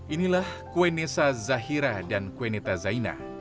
inilah kuenesa zahira dan kueneta zaina